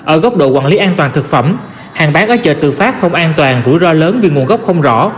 ở góc độ quản lý an toàn thực phẩm hàng bán ở chợ tự phát không an toàn rủi ro lớn vì nguồn gốc không rõ